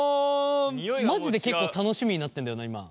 マジで結構楽しみになってんだよな今毎回毎回。